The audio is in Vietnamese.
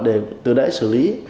để từ đấy xử lý